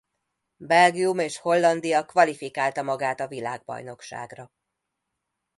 Belgium és Hollandia kvalifikálta magát a világbajnokságra.